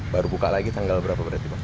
baru buka lagi tanggal berapa berarti pak